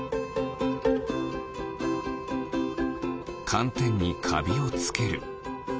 かんてんにカビをつける。